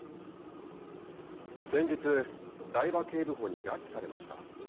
先日台場警部補に拉致されました。